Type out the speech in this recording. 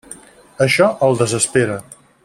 Això el desespera.